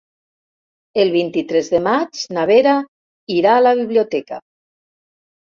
El vint-i-tres de maig na Vera irà a la biblioteca.